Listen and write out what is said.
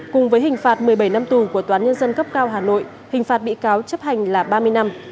cùng với hình phạt một mươi bảy năm tù của toán nhân dân cấp cao hà nội hình phạt bị cáo chấp hành là ba mươi năm